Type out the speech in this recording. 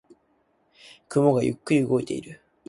雲がゆっくり動いている。